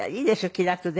気楽で。